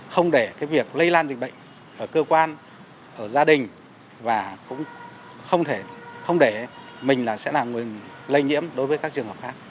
không để việc lây lan dịch bệnh ở cơ quan